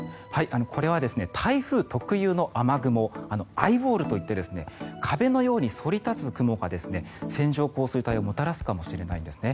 これは台風特有の雨雲アイウォールといって壁のようにそりたつ壁が線状降水帯をもたらすかもしれないんですね。